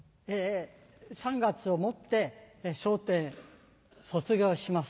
３月をもって『笑点』卒業します。